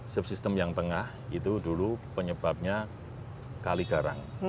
subsystem yang tengah itu dulu penyebabnya kali garang